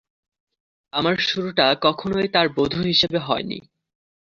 আমার শুরুটা কখনোই তার বধূ হিসেবে হয়নি।